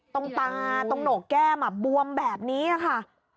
ตรงตาตรงโหนกแก้มบวมแบบนี้ค่ะ